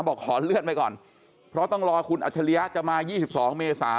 บอกขอเลื่อนไปก่อนเพราะต้องรอคุณอัจฉริยะจะมา๒๒เมษา